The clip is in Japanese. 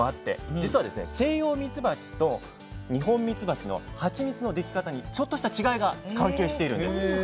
実はセイヨウミツバチとニホンミツバチのハチミツの出来方にちょっとした違いが関係しているんです。